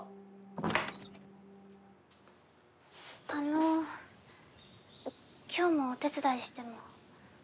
ガチャあの今日もお手伝いしても。